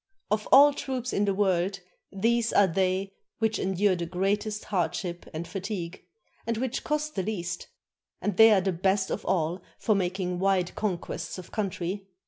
Of all troops in the world these are they which endure the greatest hardship and fatigue, and which cost the least ; and they are the best of all for making wide con quests of country.